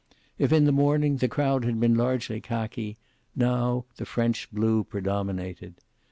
If in the morning the crowd had been largely khaki, now the French blue predominated.